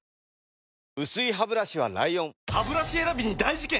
薄いハブラシは ＬＩＯＮハブラシ選びに大事件！